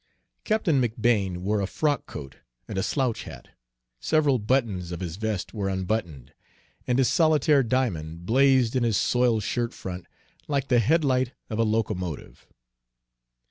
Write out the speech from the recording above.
Captain McBane wore a frock coat and a slouch hat; several buttons of his vest were unbuttoned, and his solitaire diamond blazed in his soiled shirt front like the headlight of a locomotive.